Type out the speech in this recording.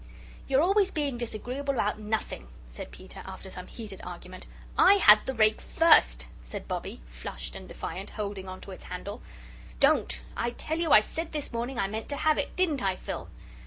"You're always being disagreeable about nothing," said Peter, after some heated argument. "I had the rake first," said Bobbie, flushed and defiant, holding on to its handle. "Don't I tell you I said this morning I meant to have it. Didn't I, Phil?"